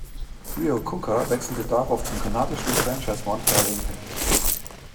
Reo-Coker wechselte daraufhin zum kanadischen Franchise Montreal Impact.